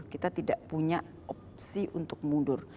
kita tidak punya opsi untuk mundur